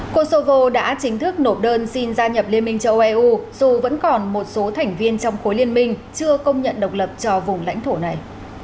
kosovo đã chính thức nộp đơn xin gia nhập liên minh châu âu eu dù vẫn còn một số thành viên trong khối liên minh chưa công nhận độc lập cho vùng lãnh thổ này